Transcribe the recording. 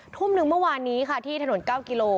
ทุ่มหนึ่งเมื่อวานนี้ค่ะที่ถนน๙กิโล